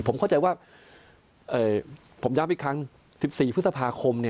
ผมเข้าใจว่าผมย้ำอีกครั้ง๑๔พฤษภาคม